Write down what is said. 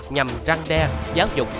nhằm răng đe giáo dục